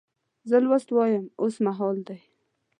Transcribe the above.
زه لوست وایم اوس مهال دی.